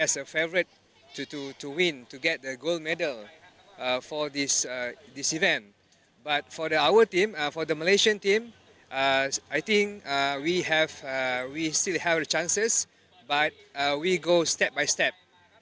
สำหรับทีมเต็มที่เมลาเชียนเรายังมีโอกาสแต่เราจะไปขึ้นขึ้น